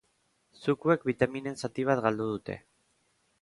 Zukuek bitaminen zati bat galdu dute.